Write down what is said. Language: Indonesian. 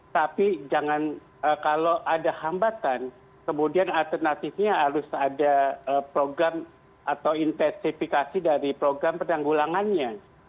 tapi jangan kalau ada hambatan kemudian alternatifnya harus ada program atau intensifikasi dari program penanggulangannya